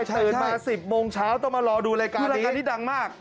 ใช่ตื่นมา๑๐โมงเช้าต้องมารอดูรายการนี้รายการนี้ดังมาก